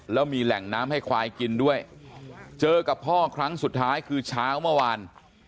แล้วมีแหล่งน้ำให้ควายกินด้วยเจอกับพ่อครั้งสุดท้ายคือเช้าเมื่อวาน